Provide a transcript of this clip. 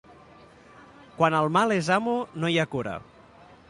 Quan el mal és amo no hi ha cura.